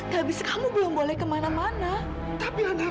dan setelah menjaga kamu seperti belanda